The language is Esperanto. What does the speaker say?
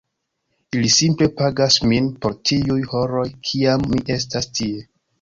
Ili simple pagas min por tiuj horoj kiam mi estas tie.